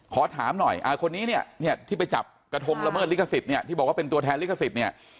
ขอถามหน่อยคนนี้เนี่ยที่ไปจับกระทงละเมิดลิขสิทธิ์เนี่ยที่บอกว่าเป็นตัวแทนลิขสิทธิ์เนี่ย